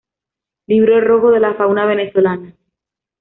Libro Rojo de la fauna venezolana.